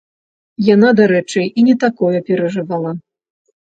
Яна, дарэчы, і не такое перажывала.